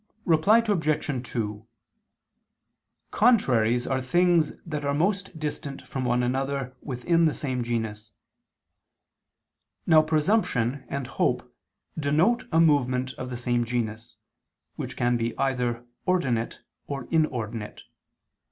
Reply Obj. 2: Contraries are things that are most distant from one another within the same genus. Now presumption and hope denote a movement of the same genus, which can be either ordinate or inordinate.